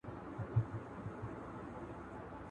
تعلیم د کار د مهارتونو د لوړولو وسیله ده.